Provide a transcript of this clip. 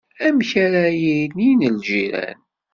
Amek ara inin lǧiran?